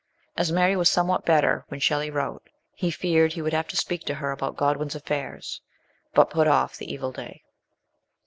As Mary was somewhat better when Shelley wrote, he feared he should have to speak to her about Godwin's affairs, but put off the evil day.